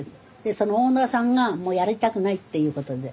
そのオーナーさんがもうやりたくないっていうことで。